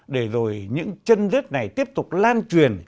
để rồi những chân rết này tiếp tục lan truyền